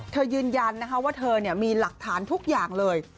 เธอยืนยันนะครับว่าเธอเนี่ยมีหลักฐานทุกอย่างเลย